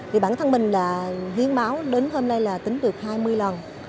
thì bản thân mình là hiến máu đến hôm nay là tính được hai mươi lần